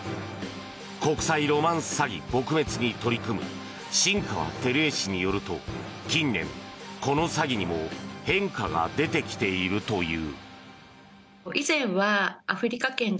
国際ロマンス詐欺撲滅に取り組む新川てるえ氏によると近年、この詐欺にも変化が出てきているという。